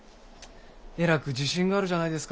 えらく自信があるじゃないですか。